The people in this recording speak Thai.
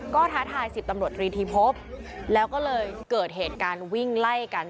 ก็ท้าทาย๑๐ตำรวจรีทีพบแล้วก็เลยเกิดเหตุการณ์วิ่งไล่กัน